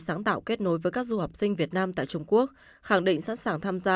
sáng tạo kết nối với các du học sinh việt nam tại trung quốc khẳng định sẵn sàng tham gia